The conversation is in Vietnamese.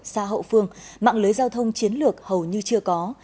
xa hậu phương mạng lưới giao thông chiến lược hầu như chưa có